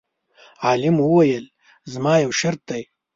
عالم وویل: زما یو شرط دی.